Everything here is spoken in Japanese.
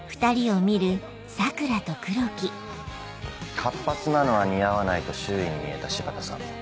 活発なのは似合わないと周囲に見えた柴田さん。